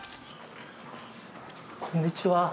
こんにちは。